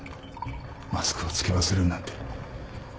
マスクをつけ忘れるなんて。